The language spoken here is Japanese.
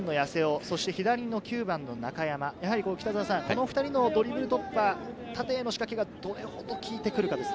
１１番の八瀬尾、９番の中山、この２人のドリブル突破、縦への仕掛けがどれほど効いてくるかですね。